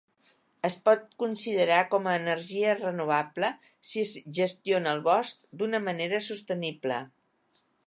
Es pot considerar com a energia renovable si es gestiona el bosc d'una manera sostenible.